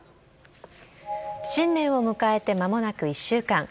新年を迎えて間もなく１週間。